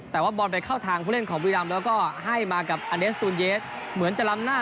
แต่ว่าบอลไปเข้าทางผู้เล่นของบุรีรำแล้วก็ให้มากับอเดสตูนเยสเหมือนจะล้ำหน้า